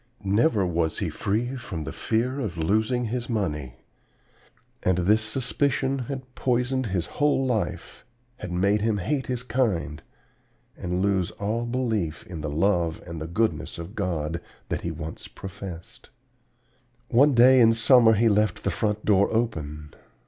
Never was he free from the fear of losing his money. And this suspicion had poisoned his whole life, had made him hate his kind and lose all belief in the love and the goodness of God, that he had once professed. "One day in summer he left the front door open.